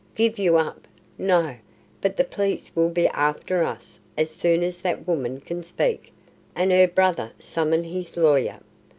"Give you up? No. But the police will be after us as soon as that woman can speak, and her brother summon his lawyer.